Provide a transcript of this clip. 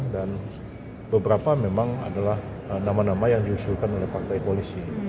dan beberapa memang adalah nama nama yang diusulkan oleh partai koalisi